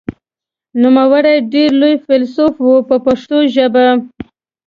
نوموړی ډېر لوی فیلسوف و په پښتو ژبه.